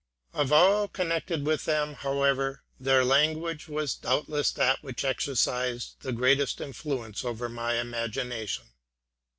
Of all connected with them, however, their language was doubtless that which exercised the greatest influence over my imagination.